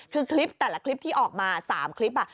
คือคลิปแต่ละคลิปที่ออกมา๓คลิป